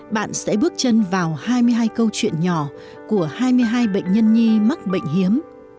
bạn sẽ bước chân vào hai mươi hai câu chuyện nhỏ của hai mươi hai bệnh nhân nhi mắc bệnh hiếm